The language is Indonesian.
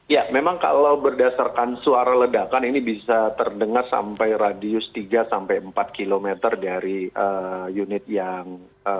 ya memang kalau berdasarkan suara ledakan ini bisa terdengar sampai radius tiga sampai empat km dari unit yang